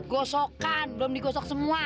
gosokan belum digosok semua